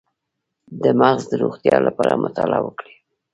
د مغز د روغتیا لپاره مطالعه وکړئ